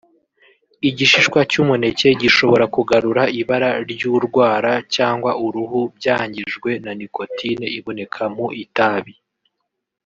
Igishihwa cy’umuneke gishobora kugarura ibara ry’urwara cyangwa uruhu byangijwe na nicotine iboneka mu itabi